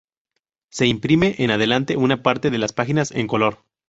Se imprime en adelante una parte de las páginas en color.